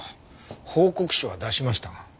報告書は出しましたが。